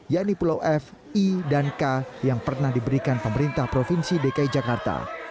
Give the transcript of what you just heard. yakni pulau f i dan k yang pernah diberikan pemerintah provinsi dki jakarta